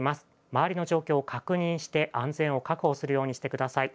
周りの状況を確認して、安全を確保するようにしてください。